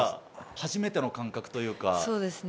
初めての感覚というか。